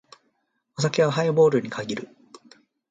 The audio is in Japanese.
お酒はハイボールに限る。